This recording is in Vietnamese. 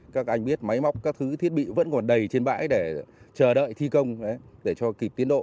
các anh biết máy móc các thứ thiết bị vẫn còn đầy trên bãi để chờ đợi thi công để cho kịp tiến độ